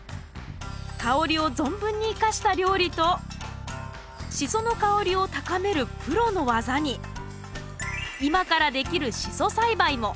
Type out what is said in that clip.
香りを存分に生かした料理とシソの香りを高めるプロの技に今からできるシソ栽培も。